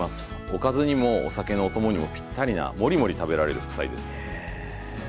おかずにもお酒のお供にもピッタリなモリモリ食べられる副菜です。